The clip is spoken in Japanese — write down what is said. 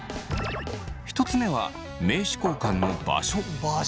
１つ目は名刺交換の場所。